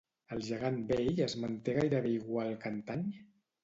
El gegant vell es manté gairebé igual que antany?